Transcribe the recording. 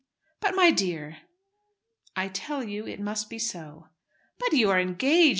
"But, my dear " "I tell you it must be so." "But you are engaged.